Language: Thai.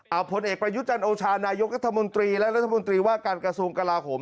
เอาผลเอกประยุจันโอชานายกรัฐมนตรีและรัฐมนตรีว่าการกระทรวงกลาโหม